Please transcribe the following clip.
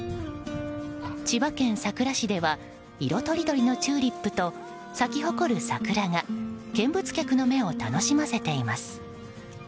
千葉県佐倉市では色とりどりのチューリップと咲き誇る桜が見物客の目を楽しませています。